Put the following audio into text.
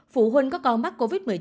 phụ huynh có con mắc covid một mươi chín